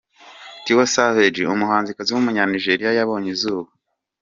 Tiwa Savage, umuhanzikazi w’umunyanigeriya yabonye izuba.